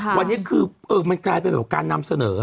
วันนี้คือมันกลายเป็นการนำเสนอ